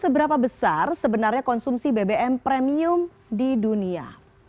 seberapa besar sebenarnya konsumsi bbm premium di dunia